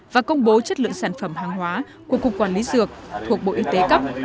và công bố chất lượng sản phẩm hàng hóa của cục quản lý dược thuộc bộ y tế cấp